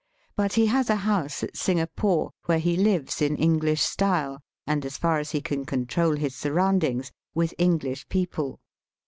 But he has a house at Singapore, . where he lives in English style, and, as far as he can control his surroundings, with EngKsh people.